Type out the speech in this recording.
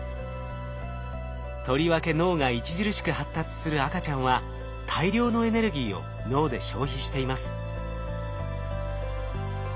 とりわけ脳が著しく発達する赤ちゃんは大量のエネルギーを脳で消費しています。